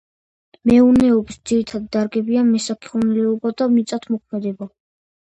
მეურნეობის ძირითადი დარგებია მესაქონლეობა და მიწათმოქმედება.